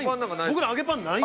僕ら揚げパンない。